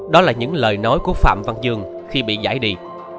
đó là những lời nói của phạm văn dương khi bị giải đi